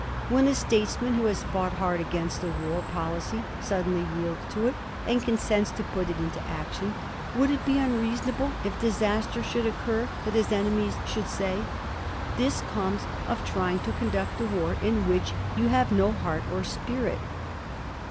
When a statesman who has fought hard against a war policy suddenly yields to it, and consents to put it into action, would it be unreasonable, if disaster should occur, that his enemies should say, '^ This comes of trying to conduct a war in which you have no heart or spirit?"